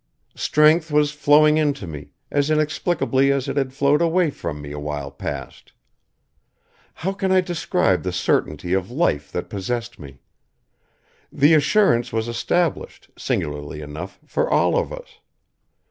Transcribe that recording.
Strength was flowing into me, as inexplicably as it had flowed away from me a while past. How can I describe the certainty of life that possessed me? The assurance was established, singularly enough, for all of us.